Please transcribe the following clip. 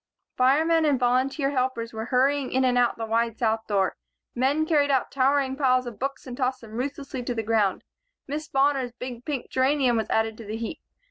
Firemen and volunteer helpers were, hurrying in and out the wide south door. Men carried out towering piles of books and tossed them ruthlessly to the ground. Miss Bonner's big pink geranium was added to the heap.